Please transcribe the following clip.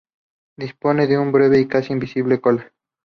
Dispone de una breve y casi invisible cola.